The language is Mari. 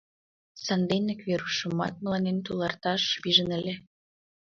Санденак Верушымат мыланем туларташ пижын ыле.